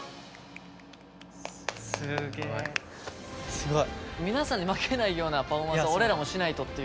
すごい。